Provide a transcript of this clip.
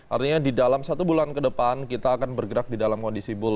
artinya di dalam satu bulan ke depan kita akan bergerak di dalam kondisi bull